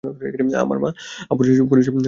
আমার মা আমার পরিচয় জেনে গেছে।